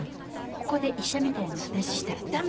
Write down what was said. ここで医者みたいな話したらダメ！